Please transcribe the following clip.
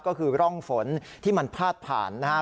ก็คือร่องฝนที่มันพาดผ่านนะครับ